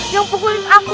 yang mukulin aku